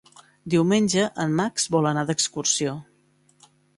Diumenge en Max vol anar d'excursió.